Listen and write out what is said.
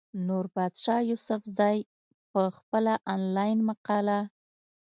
نوربادشاه يوسفزۍ پۀ خپله انلاين مقاله